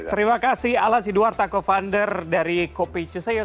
terima kasih alan sidwar tako funder dari kopi cusayos